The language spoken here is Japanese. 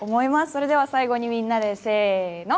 それでは最後にみんなでせーの。